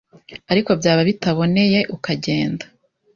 ariko byaba bitaboneye ukagenda